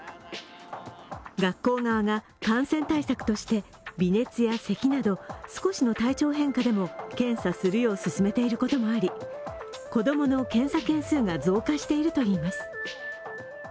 学校側が感染対策として微熱やせきなど、少しの体調変化でも検査するよう勧めていることもあり子供の検査件数が増加しているといいます。